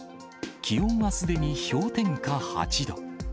気温はすでに氷点下８度。